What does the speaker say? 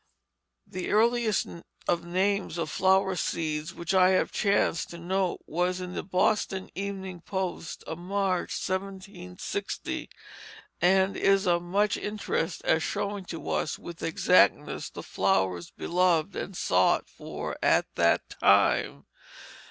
The earliest list of names of flower seeds which I have chanced to note was in the Boston Evening Post of March, 1760, and is of much interest as showing to us with exactness the flowers beloved and sought for at that time.